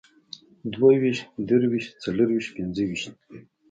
دوهويشت، دريويشت، څلرويشت، پينځهويشت